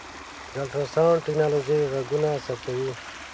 د الټراسونډ ټکنالوژۍ غږونه ثبتوي.